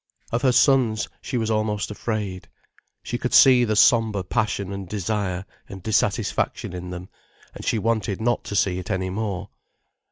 Of her sons, she was almost afraid. She could see the sombre passion and desire and dissatisfaction in them, and she wanted not to see it any more.